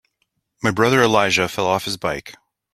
My brother Elijah fell off his bike.